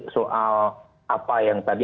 soal apa yang tadi